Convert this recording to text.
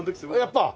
やっぱ！